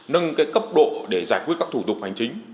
nâng cấp độ để giải quyết các thủ tục hành chính